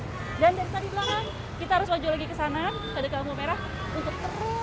dan dari tadi ke depan kita harus wajul lagi ke sana ke dekat lampu merah untuk terus seperti itu